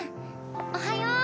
おはよう！